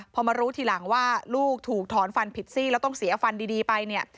พอมารู้ทีหลังว่าลูกถูกถอนฟันผิดซี่แล้วต้องเสียฟันดีไปเนี่ย